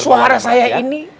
suara saya ini